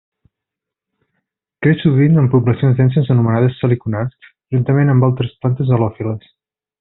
Creix sovint en poblacions denses anomenades salicornars, juntament amb altres plantes halòfiles.